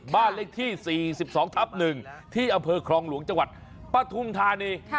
บ้านเลขที่๔๒ทับ๑ที่อำเภอคลองหลวงจังหวัดปฐุมธานี